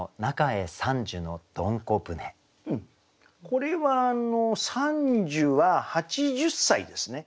これは傘寿は８０歳ですね。